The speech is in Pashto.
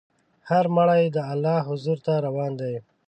هر مړی د الله حضور ته روان دی.